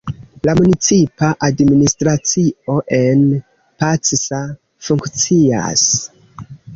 La municipa administracio en Pacsa funkcias.